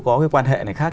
có cái quan hệ này khác